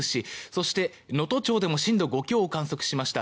そして、能登町でも震度５強を観測しました。